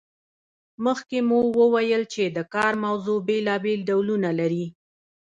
مخکې مو وویل چې د کار موضوع بیلابیل ډولونه لري.